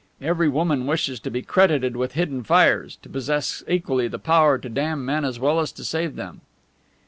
Every woman wishes to be credited with hidden fires, to possess equally the power to damn men as well as to save them.